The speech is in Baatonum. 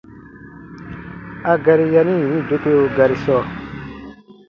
A gari yari yini dokeo gari sɔɔ: